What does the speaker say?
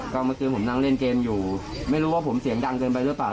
ก็เมื่อคืนผมนั่งเล่นเกมอยู่ไม่รู้ว่าผมเสียงดังเกินไปหรือเปล่า